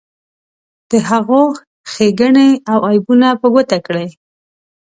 د هغو ښیګڼې او عیبونه په ګوته کړئ.